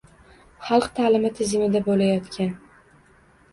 Xalq taʼlimi tizimida boʻlayotgan